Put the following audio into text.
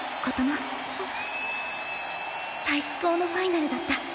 最高のファイナルだった。